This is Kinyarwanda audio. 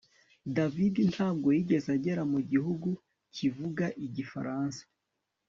David ntabwo yigeze agera mu gihugu kivuga Igifaransa